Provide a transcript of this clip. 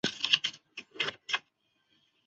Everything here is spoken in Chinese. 担任北京师范大学化学学院副院长。